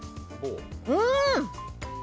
うん！